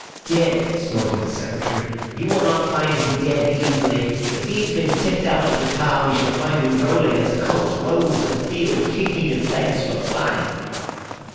"Dead!" snorted the Secretary. "You will not find him dead easily. If he has been tipped out of the car, we shall find him rolling as a colt rolls in a field, kicking his legs for fun."